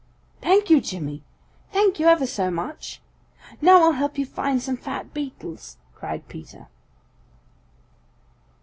"Thank you, Jimmy. Thank you ever so much. Now I'll help you find some fat beetles," cried Peter.